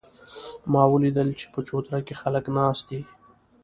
ما ولیدل چې په چوتره کې خلک ناست دي